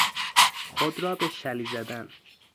خود را به شلی زدن